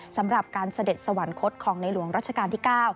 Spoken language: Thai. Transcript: สำหรับการเสด็จสวรรคตของในหลวงรัชกาลที่๙